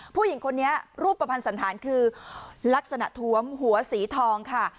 ผู้หญิงคนนี้รูปประพันธ์สันธารคือลักษณะทวมหัวสีทองค่ะ